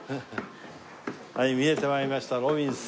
はい見えて参りましたロビンス。